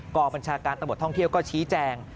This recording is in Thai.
กองบัญชาการตำรวจท่องเที่ยวก็ชี้แจง